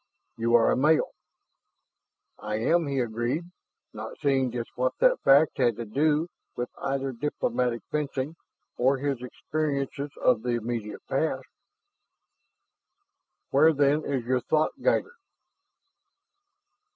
"You are a male." "I am," he agreed, not seeing just what that fact had to do with either diplomatic fencing or his experiences of the immediate past. "Where then is your thoughtguider?"